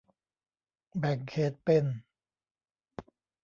แบ่งเขตเป็น